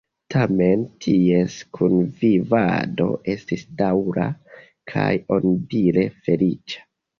Tamen ties kunvivado estis daŭra kaj onidire feliĉa.